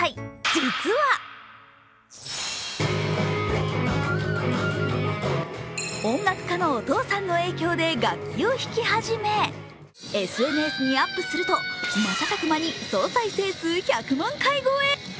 実は音楽家のお父さんの影響で楽器を弾き始めＳＮＳにアップすると、瞬く間に総再生数１００万回越え。